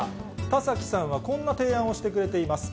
田崎さんはこんな提案をしてくれています。